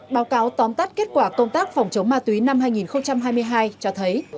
báo cáo tóm tắt kết quả công tác phòng chống ma túy năm hai nghìn hai mươi hai cho thấy